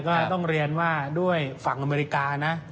ก็ต้องเรียนว่าด้วยฝั่งอเมริกานะ